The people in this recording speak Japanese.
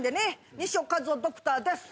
西尾一男ドクターです！